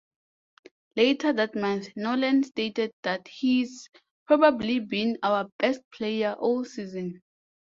Later that month Nolan stated that "he's probably been our best player all season".